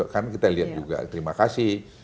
kan kita lihat juga terima kasih